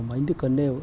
mà anh đức cấn nêu